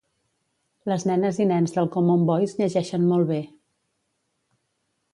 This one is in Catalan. Les nenes i nens del common voice llegeixen molt bé